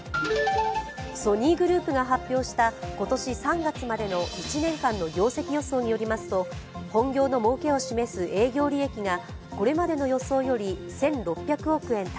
ソニーグループが発表した今年３月までの１年間の業績予想によりますと、本業のもうけを示す営業利益がこれまでの予想よりも１６００億円